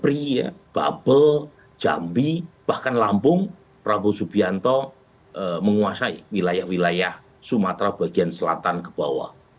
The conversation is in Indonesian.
tetapi di wilayah sumatera kemudian kebri babel jambi bahkan lampung prabowo subianto menguasai wilayah wilayah sumatera bagian selatan ke bawah